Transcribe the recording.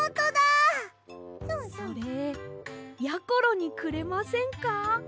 それやころにくれませんか？